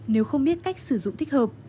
nếu không biết cách sử dụng thích hợp